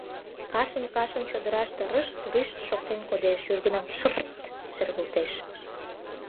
Кашын-кашын чодыраште рышт-рӱшт шоктен кодеш, южгунам шыр-р-рт шергылтеш.